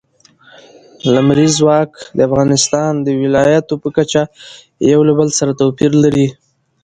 لمریز ځواک د افغانستان د ولایاتو په کچه یو له بل سره توپیر لري.